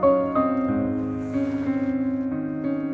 belum sang rising star